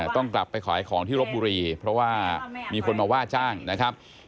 ต้องกลับไปขายของที่รบบุรีเพราะว่ามีคนมาว่าจ้างนะครับ